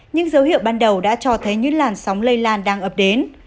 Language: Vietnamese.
những dấu hiệu ban đầu đã cho thấy những làn sóng lây lan đang ập đến